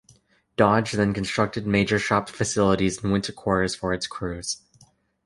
Dodge then constructed major shop facilities and winter quarters for its crews.